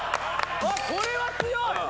あっこれは強い！